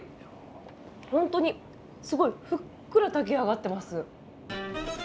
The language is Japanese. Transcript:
ホントにすごいふっくら炊き上がってます。